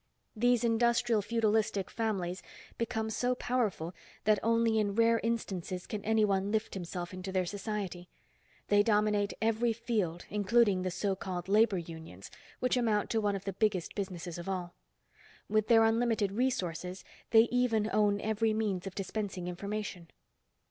These industrial feudalistic families become so powerful that only in rare instances can anyone lift himself into their society. They dominate every field, including the so called labor unions, which amount to one of the biggest businesses of all. With their unlimited resources they even own every means of dispensing information."